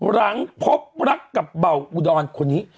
หลังพบรักกับเบาอุดรคนนี้